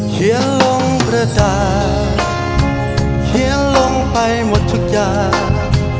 เขียนลงประจานเขียนลงไปหมดทุกอย่าง